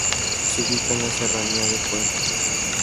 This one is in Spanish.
Se ubica en la Serranía de Cuenca.